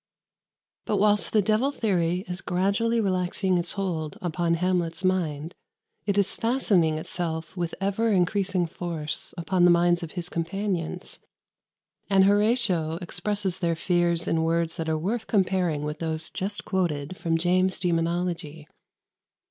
] But whilst the devil theory is gradually relaxing its hold upon Hamlet's mind, it is fastening itself with ever increasing force upon the minds of his companions; and Horatio expresses their fears in words that are worth comparing with those just quoted from James's "Daemonologie."